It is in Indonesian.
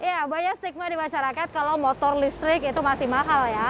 ya banyak stigma di masyarakat kalau motor listrik itu masih mahal ya